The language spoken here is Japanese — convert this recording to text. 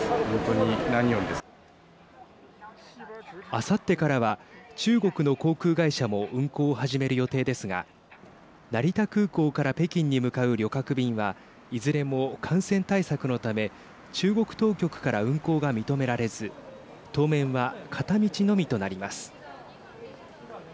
あさってからは中国の航空会社も運航を始める予定ですが成田空港から北京に向かう旅客便はいずれも感染対策のため中国当局から運航が認められず当面は片道のみとなります。